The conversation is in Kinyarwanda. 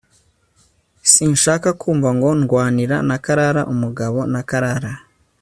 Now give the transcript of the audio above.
sinshaka kumva ngo ndwanira na Clara umugabo na Clara